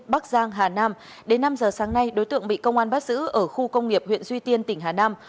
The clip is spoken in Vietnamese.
bắc giang hà nam đến năm giờ sáng nay đối tượng bị công an bắt giữ ở khu công nghiệp huyện duy tiên tỉnh hà nam